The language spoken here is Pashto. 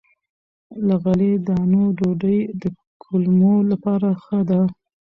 له غلې- دانو ډوډۍ د کولمو لپاره ښه ده.